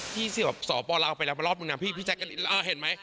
พี่เสียบสอบปอล์ลาไปแล้วมารอบหนึ่งนะพี่พี่แจ็คกันหลีดราเห็นไหม